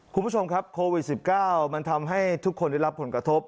คุณผู้ชมครับโควิด๑๙มันทำให้ทุกคนได้รับผลกระทบ